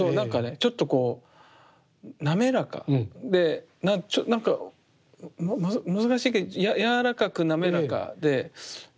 ちょっとこう滑らかでなんか難しいけど柔らかく滑らかで吸い込まれるような。